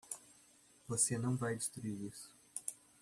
Você não vai destruir isso!